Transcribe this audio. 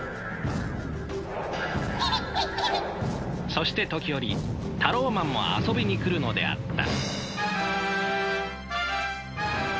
そして時折タローマンも遊びに来るのであった。